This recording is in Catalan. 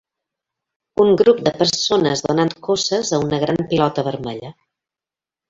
Un grup de persones donant cosses a una gran pilota vermella.